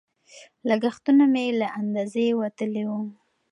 لګښتونه مې له اندازې وتلي وو.